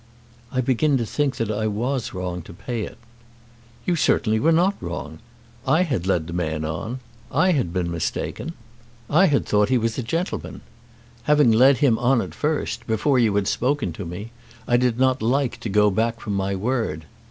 "I begin to think that I was wrong to pay it." "You certainly were not wrong. I had led the man on. I had been mistaken. I had thought that he was a gentleman. Having led him on at first, before you had spoken to me, I did not like to go back from my word.